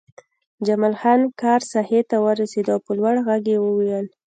جمال خان کار ساحې ته ورسېد او په لوړ غږ یې وویل